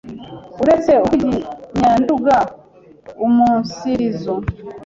uretse urw’iginyanduga umunsiri zo,